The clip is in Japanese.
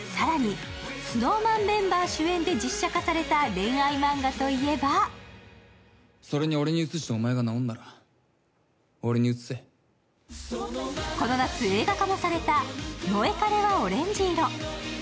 更にＳｎｏｗＭａｎメンバー主演で実写化された恋愛映画といえばこの夏、映画化もされた「モエカレはオレンジ色」。